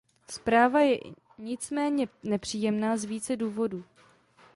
Zpráva je nicméně nepříjemná z více důvodů.